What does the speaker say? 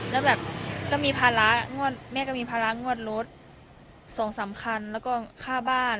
แล้วแบบก็มีภาระงวดแม่ก็มีภาระงวดรถ๒๓คันแล้วก็ค่าบ้าน